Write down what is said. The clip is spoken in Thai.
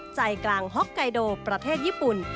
ใจกลางฮอกไกโดประเทศญี่ปุ่น